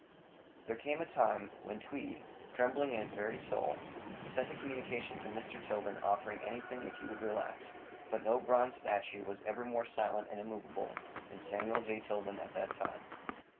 There came a time when Tweed, trembling in his very soul, sent a communication to Mr. Tilden offering anything if he would relax, but no bronze statue was ever more silent and immovable than Samuel J. Tilden at that time.